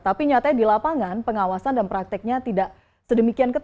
tapi nyatanya di lapangan pengawasan dan prakteknya tidak sedemikian ketat